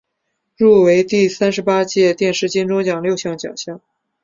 入围第三十八届电视金钟奖六项奖项。